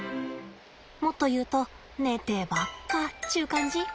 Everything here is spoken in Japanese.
もっと言うと寝てばっかっちゅう感じ？